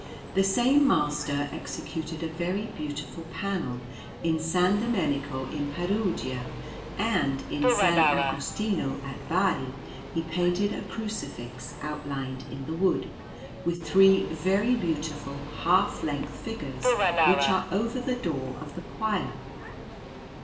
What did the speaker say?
The same master executed a very beautiful panel in S. Domenico in Perugia; and in S. Agostino at Bari he painted a Crucifix outlined in the wood, with three very beautiful half length figures, which are over the door of the choir.